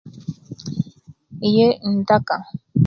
Iyee ntaka